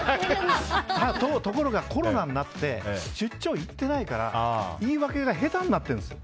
ところがコロナになって出張行っていないから言い訳が下手になっているです。